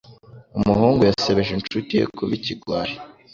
Umuhungu yasebeje inshuti ye kuba ikigwari.